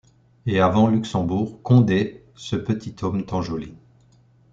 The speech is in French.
Et avant Luxembourg, Condé, « ce petit homme tant joli ».